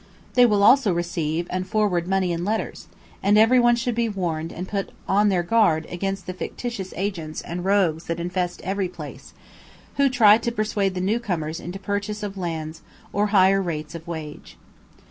They will also receive and forward money and letters; and everyone should be warned and put on their guard against the fictitious agents and rogues that infest every place, who try to persuade the new comers into purchase of lands or higher rates of wage.